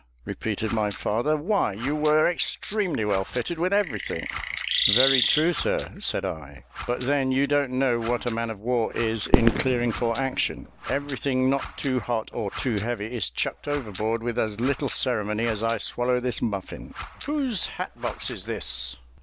repeated my father, "why you were extremely well fitted with everything." "Very true, sir," said I; "but then you don't know what a man of war is in clearing for action; everything not too hot or too heavy is chucked overboard with as little ceremony as I swallow this muffin. 'Whose hat box is this?'